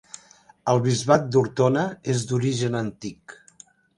El bisbat d'Ortona és d'origen antic.